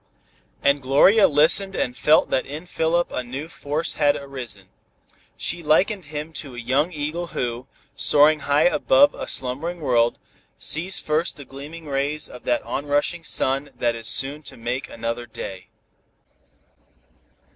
And Gloria listened and felt that in Philip a new force had arisen. She likened him to a young eagle who, soaring high above a slumbering world, sees first the gleaming rays of that onrushing sun that is soon to make another day.